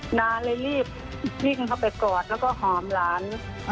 นาเลยรีบวิ่งเข้าไปกอดแล้วก็หอมหลาน